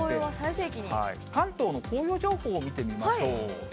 関東の紅葉情報を見てみましょう。